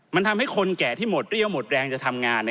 มันทำให้คนแก่ที่หมดเรี่ยวหมดแรงจะทำงาน